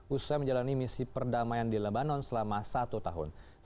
usai menjalani misi perdamaian di lebanon selama satu tahun